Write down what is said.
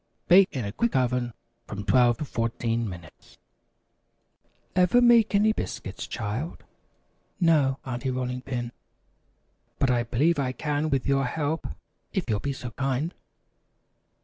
Bake in a quick oven from 12 to 14 minutes. "Ever make any biscuits, child?" "No, Aunty Rolling Pin, but I believe I can with your help, if you'll be so kind."